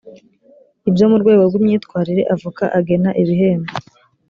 ibyo mu rwego rw imyitwarire avoka agena ibihembo